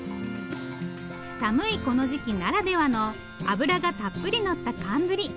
寒いこの時期ならではの脂がたっぷり乗った寒ブリ。